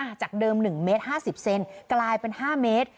จากเดิม๑เมตร๕๐เซนกลายเป็น๕เมตร